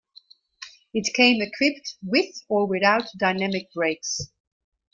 It came equipped with or without dynamic brakes.